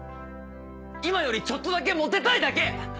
今よりちょっとだけモテたいだけ！